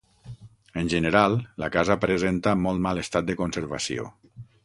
En general, la casa presenta molt mal estat de conservació.